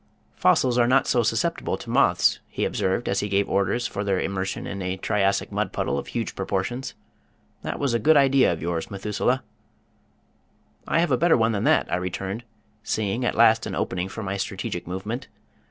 "Fossils are not so susceptible to moths," he observed as he gave orders for their immersion in a Triassic mud puddle of huge proportions. "That was a good idea of yours, Methuselah." "I have a better one than that," I returned, seeing at last an opening for my strategic movement.